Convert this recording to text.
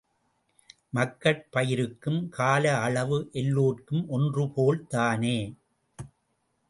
மக்கட் பயிருக்கும் கால அளவு எல்லோர்க்கும் ஒன்றுபோல் தானே.